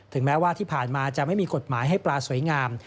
แม้ว่าที่ผ่านมาจะไม่มีกฎหมายให้ปลาสวยงาม